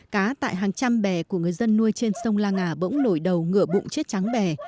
cá tại hàng trăm bè của người dân nuôi trên sông la ngà bỗng nổi đầu ngửa bụng chết trắng bè